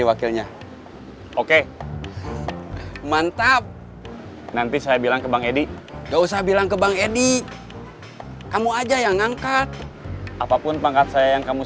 aku kena bunuh shaking man efeknya